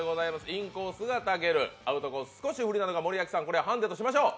インコースがたける、アウトコース、少し不利なのが森脇さん、これはハンデとしましょう。